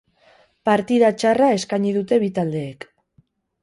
Partida txarra eskaini dute bi taldeek.